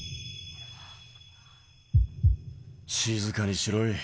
静かにしろい。